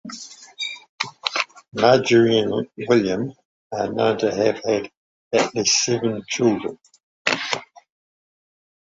Marjory and William are known to have had at least seven children.